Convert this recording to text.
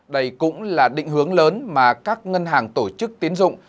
đây cũng là định hướng lớn mà các ngân hàng tổ chức tiến dụng